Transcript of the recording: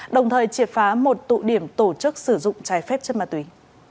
đồng thời triệt phá một tụ điểm tổ chức sử dụng trái phép chất ma túy